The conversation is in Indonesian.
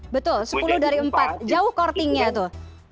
betul sepuluh dari empat jauh kortingnya tuh